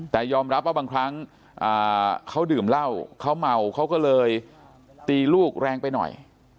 แต่ยอมรับว่าบางครั้งเขาดื่มเหล้าเขาเมาเขาก็เลยตีลูกแรงไปหน่อย